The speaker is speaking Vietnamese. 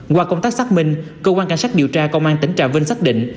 qua công tác xác minh cơ quan cảnh sát điều tra công an tỉnh trà vinh xác định